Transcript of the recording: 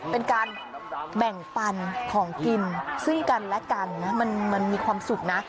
เป็นการแบ่งปันของกินซึ่งกันและกันนะมันมีความสุขนะ